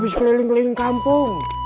moms udah kembali ke tempat yang sama